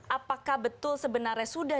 apakah betul sebenarnya sudah